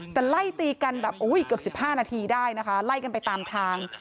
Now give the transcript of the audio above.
แต่ไล่ตีกันแบบเกือบ๑๕นาทีได้นะคะไล่กันไปตามทาง